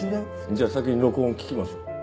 じゃあ先に録音を聞きましょう。